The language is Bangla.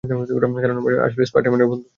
কারণ, আমরা আসলেই স্পাইডার-ম্যানের বন্ধু।